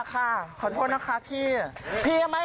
ก็แค่มีเรื่องเดียวให้มันพอแค่นี้เถอะ